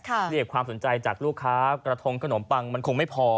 เรียกความสนใจจากลูกค้ากระทงขนมปังมันคงไม่พอ